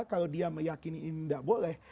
kalau dia meyakini ini tidak boleh